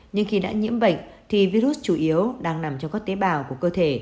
nhưng khi đã nhiễm bệnh thì virus chủ yếu đang nằm trong các tế bào của cơ thể